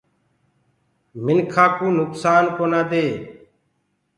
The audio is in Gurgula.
منکآ ڪوُ نُڪسآن ڪونآ دي۔